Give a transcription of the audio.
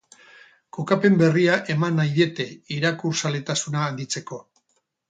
Kokapen berria eman nahi diete irakurzaletasuna handitzeko.